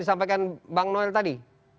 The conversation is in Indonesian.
disampaikan bang noel tadi